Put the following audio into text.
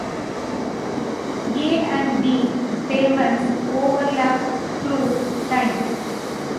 A and B payments overlap through time.